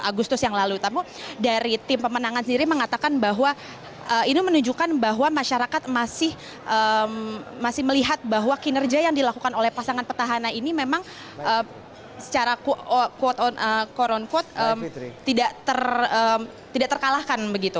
agustus yang lalu tapi dari tim pemenangan sendiri mengatakan bahwa ini menunjukkan bahwa masyarakat masih melihat bahwa kinerja yang dilakukan oleh pasangan petahana ini memang secara quorn quote tidak terkalahkan begitu